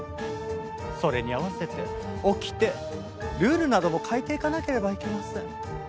それに合わせて掟ルールなども変えていかなければいけません。